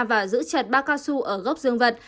và giữ chặt ba cao su ở gốc dương vật